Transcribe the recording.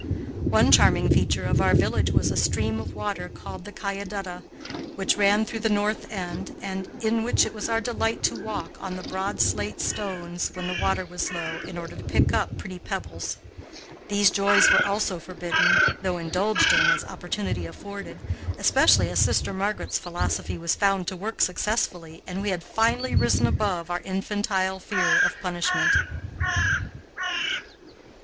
One charming feature of our village was a stream of water, called the Cayadutta, which ran through the north end, in which it was our delight to walk on the broad slate stones when the water was low, in order to pick up pretty pebbles. These joys were also forbidden, though indulged in as opportunity afforded, especially as sister Margaret's philosophy was found to work successfully and we had finally risen above our infantile fear of punishment.